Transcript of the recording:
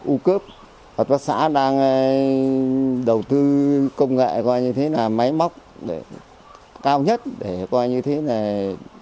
ocop hợp tác xã đang đầu tư công nghệ như thế này máy móc cao nhất để coi như thế này